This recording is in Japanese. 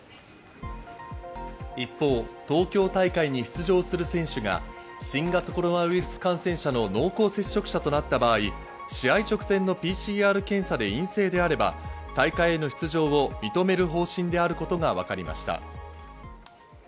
一方、東京大会に出場する選手が新型コロナウイルス感染者の濃厚接触者となった場合、試合直前のＰＣＲ検査で陰性であれば、大会への出場を認める方針であることがわかりました。